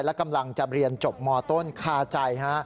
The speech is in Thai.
และกำลังจะเรียนจบมต้นคาใจฮะ